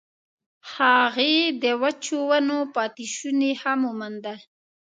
هغې د وچو ونو پاتې شوني هم وموندل.